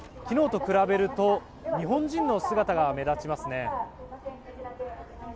昨日と比べると日本人の姿が目立ちますね。